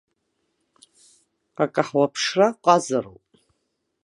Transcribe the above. Акаҳуа аԥшра ҟазароуп.